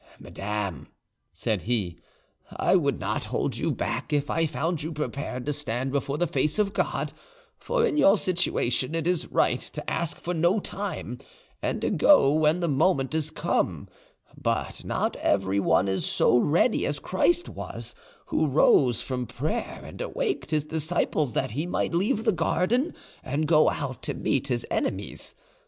"Madame," said he, "I would not hold you back if I found you prepared to stand before the face of God, for in your situation it is right to ask for no time, and to go when the moment is come; but not everyone is so ready as Christ was, who rose from prayer and awaked His disciples that He might leave the garden and go out to meet His enemies.